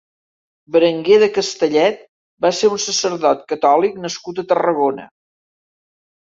Berenguer de Castellet va ser un sacerdot catòlic nascut a Tarragona.